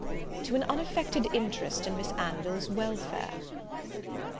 "To an unaffected interest in Miss Anville's welfare."